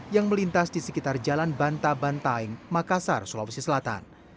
yang melintas di sekitar jalan banta bantaing makassar sulawesi selatan